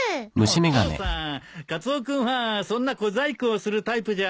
お父さんカツオ君はそんな小細工をするタイプじゃありませんよ。